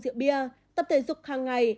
rượu bia tập thể dục hàng ngày